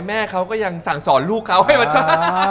แม่เค้าก็ยังสั่งสอนลูกเค้าไว้มาช่วย